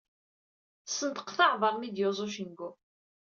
Sneṭqet aɛbar mi d-yuẓa ucengu.